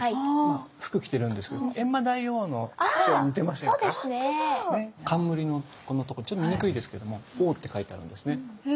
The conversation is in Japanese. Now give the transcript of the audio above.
あそうですね！冠のここのとこちょっと見にくいですけども「王」って書いてあるんですね。